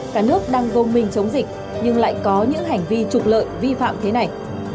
cả nước đang gồm mình chống dịch nhưng lại có những hành vi trục lợi vi phạm thế này